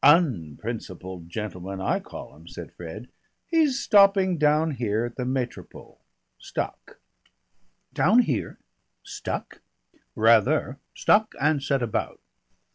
"Unprincipled gentleman, I call him," said Fred. "He's stopping down here at the Métropole. Stuck." "Down here? Stuck?" "Rather. Stuck and set about."